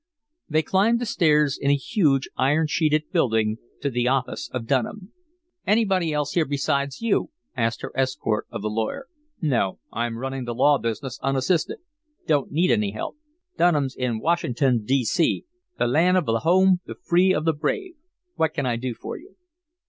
They climbed the stairs in a huge, iron sheeted building to the office of Dunham. "Anybody else here besides you?" asked her escort of the lawyer. "No. I'm runnin' the law business unassisted. Don't need any help. Dunham's in Wash'n'ton, D. C., the lan' of the home, the free of the brave. What can I do for you?"